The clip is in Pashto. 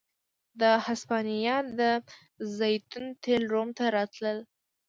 د هسپانیا د زیتونو تېل روم ته راتلل